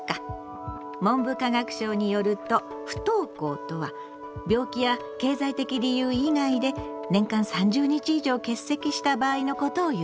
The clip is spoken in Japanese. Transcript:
文部科学省によると不登校とは病気や経済的理由以外で年間３０日以上欠席した場合のことをいうの。